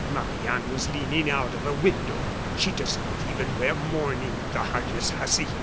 Marie Anne was leaning out of a window. She does not even wear mourning, the heartless hussy!"